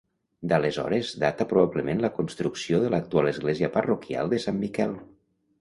D'aleshores data probablement la construcció de l'actual església parroquial de Sant Miquel.